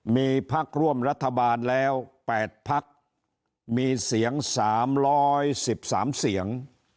มีพักร่วมรัฐบาลแล้ว๘พักมีเสียง๓๑๓เสียง